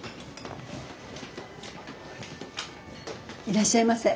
いらっしゃいませ。